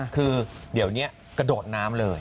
คือเดี๋ยวนี้กระโดดน้ำเลย